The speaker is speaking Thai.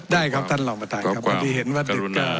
ได้ครับท่านลองไปถ่ายครับ